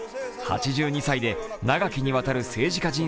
８２歳で長きにわたる政治家